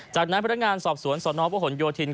จากน้ายพนักงานสอบสวนสนพโยธิน